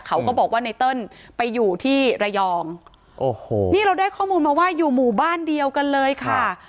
เขาก็บอกว่าไนเติ้ลไปอยู่ที่ระยองโอ้โหนี่เราได้ข้อมูลมาว่าอยู่หมู่บ้านเดียวกันเลยค่ะ